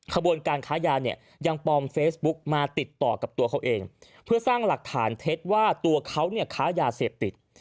ขบวนการค้ายาเนี่ยยังปลอมเฟซบุ๊กมาติดต่อกับตัวเขาเองเพื่อสร้างหลักฐานเท็จว่าตัวเขาเนี่ยค้ายาเสพติด